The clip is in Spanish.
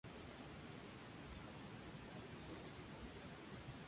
Se trataban de ciudades estado federadas entre sí.